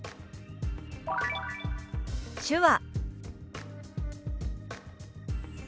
「手話」。